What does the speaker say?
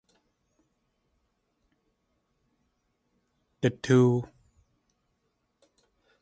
Datóow.